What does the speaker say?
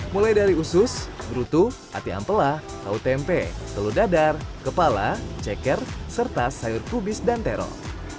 mulai dari usus brutu ati ampela tahu tempe telur dadar kepala ceker serta sayur kubis dan terong